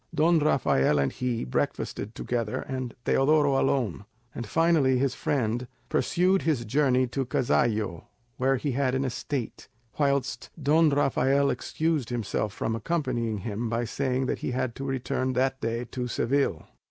Don Rafael and he breakfasted together, and Teodoro alone; and finally the friend pursued his journey to Cazallo, where he had an estate, whilst Don Rafael excused himself from accompanying him by saying that he had to return that day to Seville.